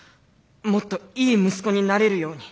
もっといい息子になれるように。